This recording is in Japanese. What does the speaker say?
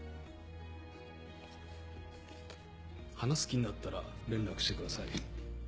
話す気になったら連絡してください。